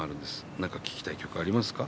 何か聴きたい曲ありますか？